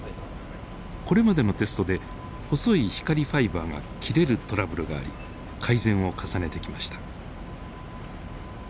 これまでのテストで細い光ファイバーが切れるトラブルがあり改善を重ねてきました。